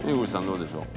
どうでしょう？